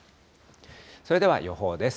それでは予報です。